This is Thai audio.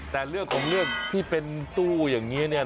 แต่เรื่องของเรื่องที่เป็นตู้อย่างนี้เนี่ย